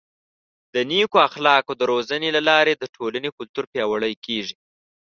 د نیکو اخلاقو د روزنې له لارې د ټولنې کلتور پیاوړی کیږي.